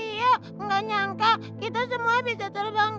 iya gak nyangka kita semua bisa terbangin